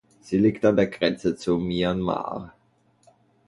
Sie liegt an der Grenze zu Myanmar.